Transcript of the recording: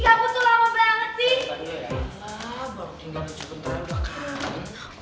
aduh gimana sih